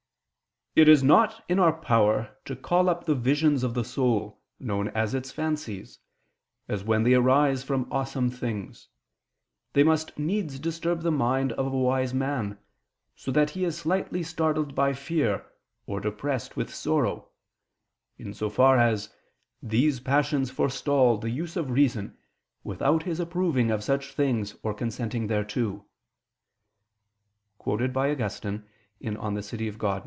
Dei ix, 4), "it is not in our power to call up the visions of the soul, known as its fancies; and when they arise from awesome things, they must needs disturb the mind of a wise man, so that he is slightly startled by fear, or depressed with sorrow," in so far as "these passions forestall the use of reason without his approving of such things or consenting thereto."